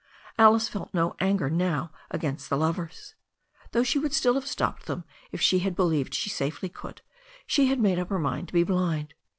Alice felt no anger now against the lovers. Though she would still have stopped them if she had believed she safely could, she had made up her mind to be blind.